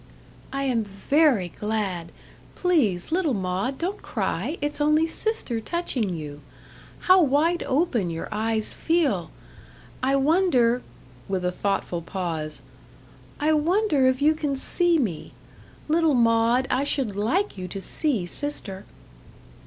"I am VERY glad. Please, little Maud, don't cry it's only sister touching you. How wide open your eyes feel! I wonder," with a thoughtful pause "I wonder if you can see me. Little Maud, I should like you to see sister."